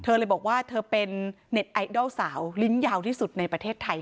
เลยบอกว่าเธอเป็นเน็ตไอดอลสาวลิ้นยาวที่สุดในประเทศไทย